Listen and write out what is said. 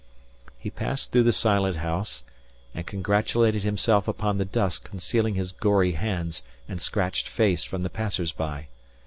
He passed through the silent house and congratulated himself upon the dusk concealing his gory hands and scratched face from the passers by.